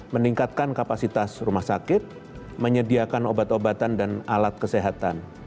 meningkatkan kapasitas rumah sakit menyediakan obat obatan dan alat kesehatan